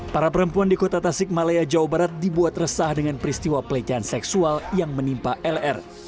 para perempuan di kota tasik malaya jawa barat dibuat resah dengan peristiwa pelecehan seksual yang menimpa lr